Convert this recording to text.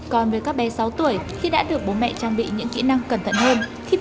còn với các bé sáu tuổi khi đã được bố mẹ trang bị những kỹ năng cẩn thận hơn